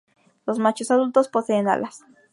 Los machos adultos poseen alas.